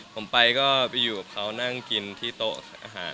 ผมไปก็ไปอยู่กับเขานั่งกินที่โต๊ะอาหาร